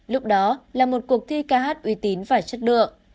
lúc đó là một cuộc thi ca hát uy tín và chất lượng